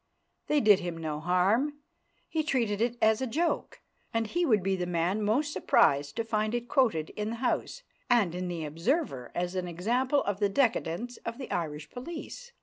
They did him no harm. He treated it as a joke, and he would be the man most surprised to find it quoted in the House and in the Observer as an example of the decadence of the Irish police."